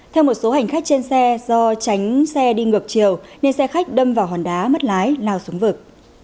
theo một số hành khách trên xe do tránh xe đi ngược chiều nên xe khách đâm vào hòn đá mất lái lao xuống vực